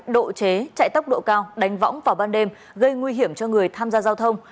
độ chế chạy tốc độ cao đánh võng vào ban đêm gây nguy hiểm cho người tham gia giao thông